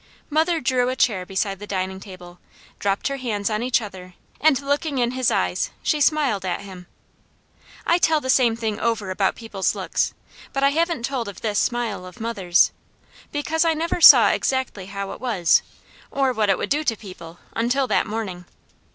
Mother drew a chair beside the dining table, dropped her hands on each other, and looking in his eyes, she smiled at him. I tell the same thing over about people's looks, but I haven't told of this smile of mother's; because I never saw exactly how it was, or what it would do to people, until that morning.